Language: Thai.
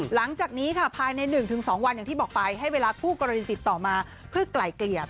หลังจากนี้ค่ะภายใน๑๒วันอย่างที่บอกไปให้เวลาคู่กรณีติดต่อมาเพื่อไกล่เกลี่ย